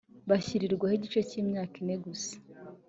Bashyirirwaho igihe cy imyaka ine gusa